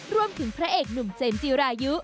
ร่วมถึงพระเอกหนุ่มเจมส์จีรายุ